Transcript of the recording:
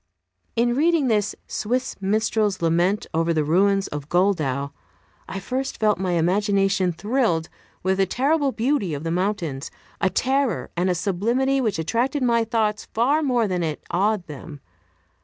In reading this, "Swiss Minstrel's Lament over the Ruins of Goldau," I first felt my imagination thrilled with the terrible beauty of the mountains a terror and a sublimity which attracted my thoughts far more than it awed them.